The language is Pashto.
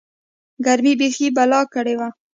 گرمۍ بيخي بلا کړې وه.